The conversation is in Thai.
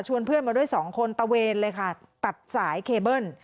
เพื่อนมาด้วยสองคนตะเวนเลยค่ะตัดสายเคเบิ้ล